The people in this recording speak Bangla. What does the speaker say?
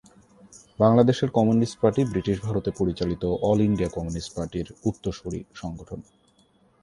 বাংলাদেশের কমিউনিস্ট পার্টি ব্রিটিশ ভারতে পরিচালিত অল ইন্ডিয়া কমিউনিস্ট পার্টির উত্তরসূরি সংগঠন।